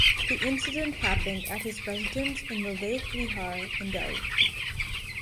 The incident happened at his residence in Vivek Vihar in Delhi.